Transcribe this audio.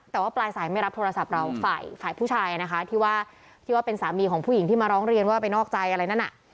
แต่ว่าปลายสายไม่รับโทรศัพท์เราฝ่ายผู้ชายนะคะที่ว่าที่ว่าเป็นสามีของผู้หญิงที่มาร้องเรียนว่าไปนอกใจอะไรนั่นน่ะ